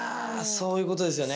そういうことですよね。